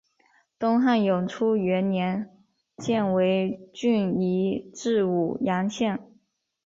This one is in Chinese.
东汉永初元年犍为郡移治武阳县。